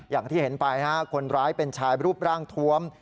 อย่างที่เห็นไปคนร้ายเป็นชายรูปร่างทวม